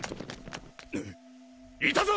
いたぞ！